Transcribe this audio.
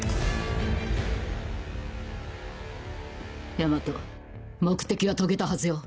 大和目的は遂げたはずよ。